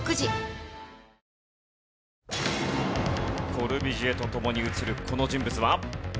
コルビュジエと共に写るこの人物は？